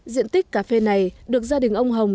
diện tích cà phê này được gia đình ông hồng